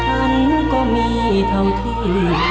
ฉันก็มีเท่าที่แกล่งไป